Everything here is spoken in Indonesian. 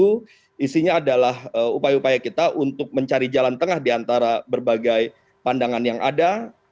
taxi lot ini adalah upaya upaya kita untuk mencari jalan tengah di antara berbagai pandangan yang ada